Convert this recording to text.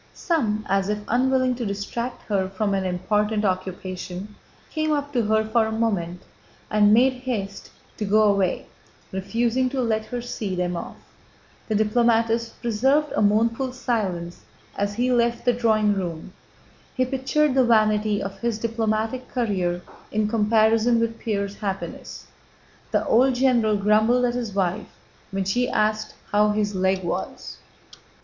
Some, as if unwilling to distract her from an important occupation, came up to her for a moment and made haste to go away, refusing to let her see them off. The diplomatist preserved a mournful silence as he left the drawing room. He pictured the vanity of his diplomatic career in comparison with Pierre's happiness. The old general grumbled at his wife when she asked how his leg was.